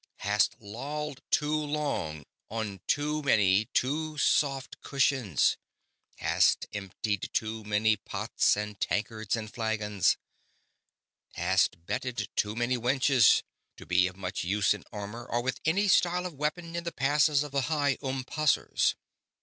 Hast lolled too long on too many too soft cushions, hast emptied too many pots and tankards and flagons, hast bedded too many wenches, to be of much use in armor or with any style of weapon in the passes of the High Umpasseurs."